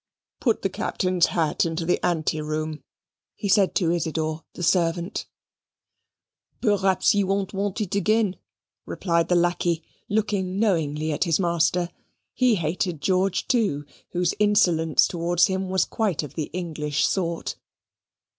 "Put the Captain's hat into the ante room," he said to Isidor, the servant. "Perhaps he won't want it again," replied the lackey, looking knowingly at his master. He hated George too, whose insolence towards him was quite of the English sort.